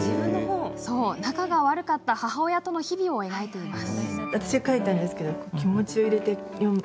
仲が悪かった母親との日々を描いています。